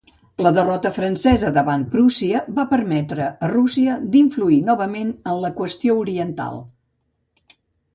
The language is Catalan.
La derrota francesa davant Prússia va permetre a Rússia d'influir novament en la qüestió oriental.